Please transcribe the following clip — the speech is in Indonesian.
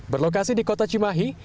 berlokasi di kota cimahi